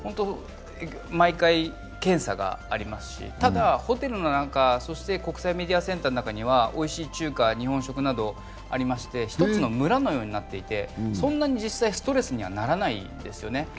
毎回検査がありますしただ、ホテルの中、国際メディアセンターの中にはおいしい中華、日本食などありまして１つの村のようになっていて、そんなに実際、ストレスにはならないですね。